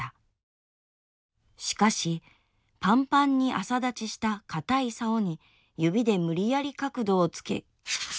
しかしパンパンに朝勃ちした硬い竿に指で無理矢理角度をつけ」。